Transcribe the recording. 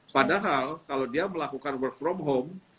padahal kalau dia melakukan work from home